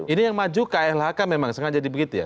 ini yang maju klhk memang sengaja dibegitu ya